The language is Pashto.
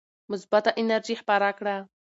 مثبته انرژي خپره کړئ.